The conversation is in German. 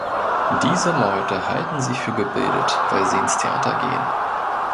Diese Leute halten sich für gebildet, weil sie ins Theater gehen.